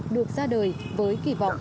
được ra đời với kỳ vọng